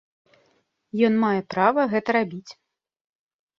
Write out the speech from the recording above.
Ён мае права гэта рабіць.